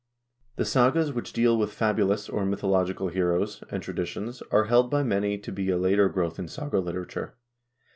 The sagas which deal with fabulous, or mythological, heroes and traditions are held by many to be a later growth in saga literature.